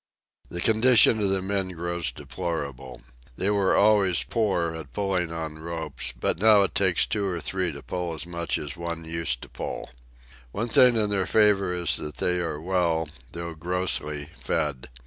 The condition of the men grows deplorable. They were always poor at pulling on ropes, but now it takes two or three to pull as much as one used to pull. One thing in their favour is that they are well, though grossly, fed.